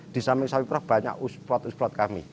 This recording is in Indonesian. di samping sapi perah banyak uspat uspat kami